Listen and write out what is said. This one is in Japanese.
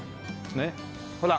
ねっほら！